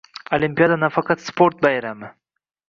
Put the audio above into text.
Olimpiada nafaqat sport bayrami.